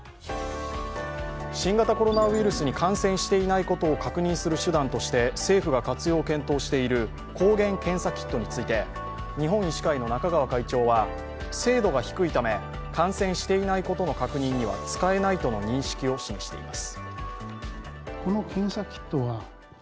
新型コロナウイルスに感染していないことを確認する手段として政府が活用を検討している抗原検査キットについて、日本医師会の中川会長は精度が低いため感染していないことの確認には使えないとの認識を示しています。